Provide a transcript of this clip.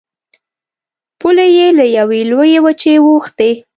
پولې یې له یوې لویې وچې اوښتې.